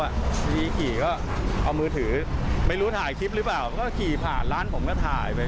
ทีขี่ก็เอามือถือไม่รู้ถ่ายคลิปหรือเปล่าก็ขี่ผ่านร้านผมก็ถ่ายไป